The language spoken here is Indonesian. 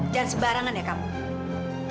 jangan sebarangan ya kamu